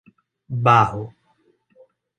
Barro